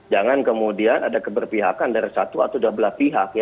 jangan kemudian ada keberpihakan dari satu atau dua belah pihak